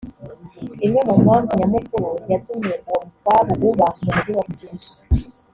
Imwe mu mpamvu nyamukuru yatumye uwo mukwabu uba mu Mujyi wa Rusizi